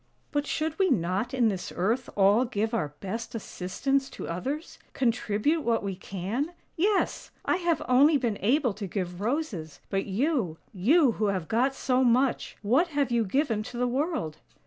" But should we not in this earth all give our best assistance to others — contribute what we can? Yes! I have only been able to give roses; but you — you who have got so much — what have you given to the world?